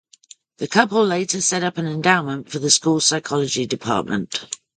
The couple later set up an endowment for the school’s psychology department.